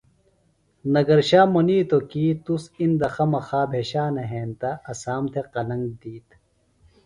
نگرشا منِیتوۡ کیۡ تُس اِندہ خمخا بھیشانہ ہینتہ اسام تھےۡ قلنگ دِیت